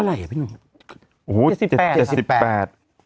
อายุเท่าไหร่น่ะพี่หนุ่ม